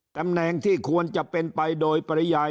ตำแหน่งที่ควรจะเป็นไปโดยปริยาย